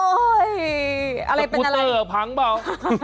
โอ๊ยอะไรเป็นอะไรสกุเตอร์พังเปล่า